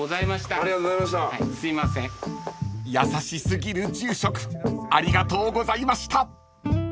［優し過ぎる住職ありがとうございました］